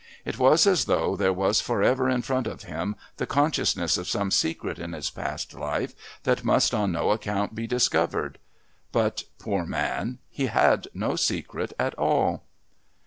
It was as though there was for ever in front of him the consciousness of some secret in his past life that must on no account be discovered; but, poor man, he had no secret at all.